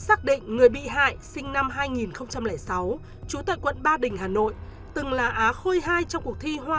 xác định người bị hại sinh năm hai nghìn sáu trú tại quận ba đình hà nội từng là á khôi hai trong cuộc thi hoa